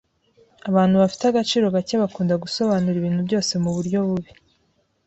Abantu bafite agaciro gake bakunda gusobanura ibintu byose muburyo bubi.